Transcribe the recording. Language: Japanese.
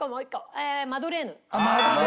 あっマドレーヌ！